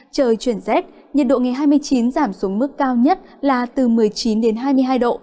trời chuyển rét nhiệt độ ngày hai mươi chín giảm xuống mức cao nhất là từ một mươi chín đến hai mươi hai độ